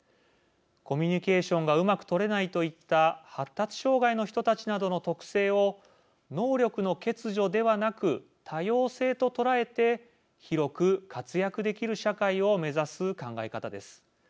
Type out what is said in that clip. コミュニケーションがうまく取れないといった発達障害の人たちなどの特性を能力の欠如ではなく多様性と捉えて広く活躍できる社会を目指す考え方です。